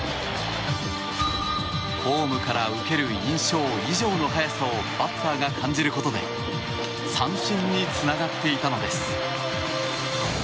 フォームから受ける印象以上の速さをバッターが感じることで三振につながっていたのです。